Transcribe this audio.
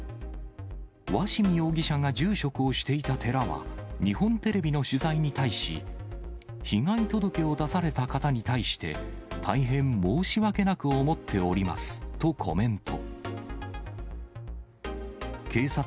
鷲見容疑者が住職をしていた寺は、日本テレビの取材に対し、被害届を出された方に対して、大変申し訳なく思っておりますとコメント。